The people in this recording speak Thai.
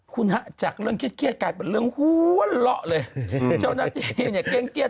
คุณฮะจากเรื่องเครียดกลายเป็นเรื่องหัวเลาะเลยเจ้าหน้าที่เนี่ยเกรงเครียด